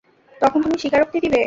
তখন তুমি স্বীকারোক্তি দিবে।